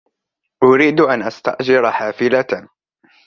أريد أن أستأجر حافلة.